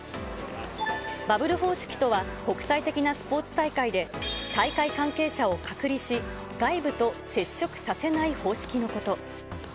バブル方式とは、国際的なスポーツ大会で、大会関係者を隔離し、外部と接触させない方式のこと。